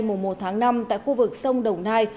mùa một tháng năm tại khu vực sông đồng nai